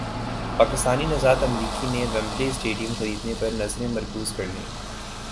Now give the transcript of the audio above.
پاکستانی نژاد امریکی نے ویمبلے اسٹیڈیم خریدنے پر نظریں مرکوز کر لیں